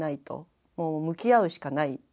もう向き合うしかない。